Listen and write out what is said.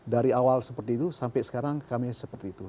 dari awal seperti itu sampai sekarang kami seperti itu